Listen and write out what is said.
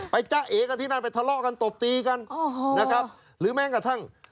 จ๊ะเอกันที่นั่นไปทะเลาะกันตบตีกันนะครับหรือแม้กระทั่ง